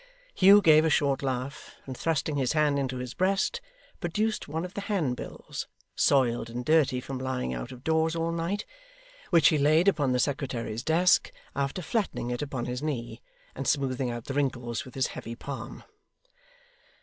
Hugh gave a short laugh, and thrusting his hand into his breast, produced one of the handbills, soiled and dirty from lying out of doors all night, which he laid upon the secretary's desk after flattening it upon his knee, and smoothing out the wrinkles with his heavy palm.